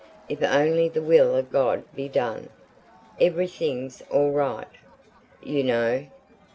If only the will of God be done, everything's all right, you know.